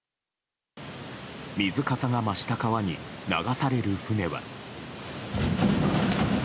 水かさが増した川に流される船は。